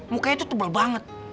mukanya tuh tebal banget